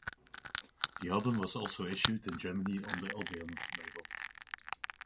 The album was also issued in Germany on the Odeon label.